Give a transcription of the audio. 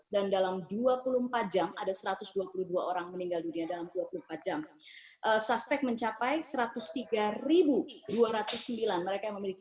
dan dalam dua puluh empat jam ada satu ratus dua puluh dua orang meninggal dunia dalam dua puluh empat jam suspek mencapai satu ratus tiga dua ratus sembilan mereka memiliki